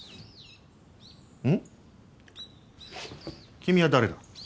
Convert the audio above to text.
君は誰だ？